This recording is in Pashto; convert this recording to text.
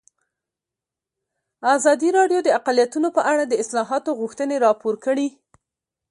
ازادي راډیو د اقلیتونه په اړه د اصلاحاتو غوښتنې راپور کړې.